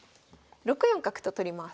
６四角と取ります。